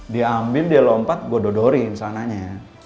dia ambil dia lompat gue dodori insya ananya